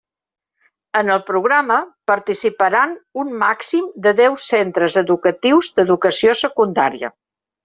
En el programa participaran un màxim de deu centres educatius d'Educació Secundària.